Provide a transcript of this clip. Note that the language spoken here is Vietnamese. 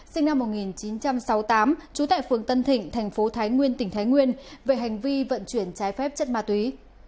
sinh năm một nghìn chín trăm sáu mươi tám trú tại phường tân thịnh thành phố thái nguyên tỉnh thái nguyên về hành vi vận chuyển trái phép chất ma túy